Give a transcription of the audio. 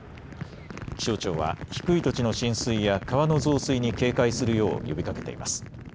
気象庁は低い土地の浸水や川の増水に警戒するよう呼びかけています。